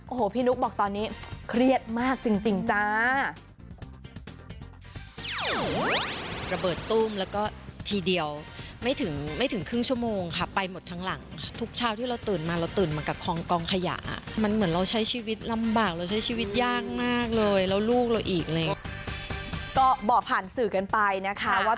โอ้โหพี่นุ๊กบอกตอนนี้เครียดมากจริงจ้า